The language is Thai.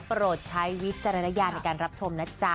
โปรดใช้วิจารณญาณในการรับชมนะจ๊ะ